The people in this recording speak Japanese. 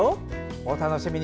お楽しみに。